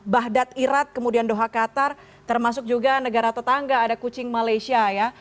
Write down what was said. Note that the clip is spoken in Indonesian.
bahdad irak kemudian doha qatar termasuk juga negara tetangga ada kucing malaysia ya